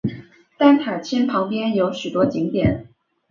甘丹塔钦旁边有许多景点。